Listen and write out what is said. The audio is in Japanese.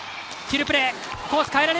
キルプレー。